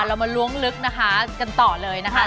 เรามาล้วงลึกนะคะกันต่อเลยนะคะ